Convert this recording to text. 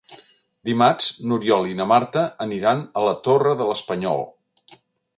Dimarts n'Oriol i na Marta aniran a la Torre de l'Espanyol.